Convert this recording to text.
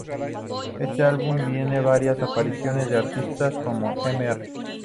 Este álbum tiene varias apariciones de artistas como Mr.